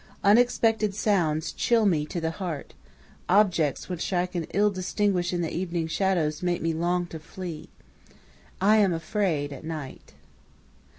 Unexpected sounds chill me to the heart; objects which I can ill distinguish in the evening shadows make me long to flee. I am afraid at night.